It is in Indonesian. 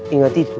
ya gak gitu